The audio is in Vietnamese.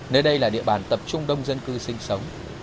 nơi đây là địa bàn tập trung đông dân cư sinh sống